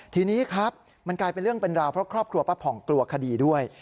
ทีนี้ครับมันกลายเป็นเรื่องเป็นราวเพราะครอบครัวป้าผ่องกลัวคดีด้วย